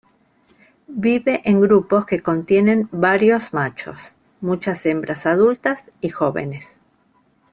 Vive en grupos que contienen varios machos, muchas hembras adultas y jóvenes.